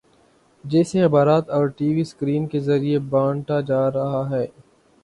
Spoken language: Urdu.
جسے اخبارات اور ٹی وی سکرین کے ذریعے بانٹا جا رہا ہے۔